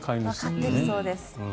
わかっているそうです。